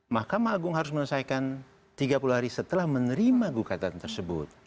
mahkamah agung harus menyelesaikan tiga puluh hari setelah menerima gugatan tersebut